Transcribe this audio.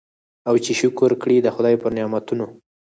او چي شکر کړي د خدای پر نعمتونو